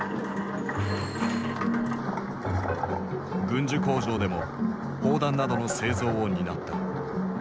軍需工場でも砲弾などの製造を担った。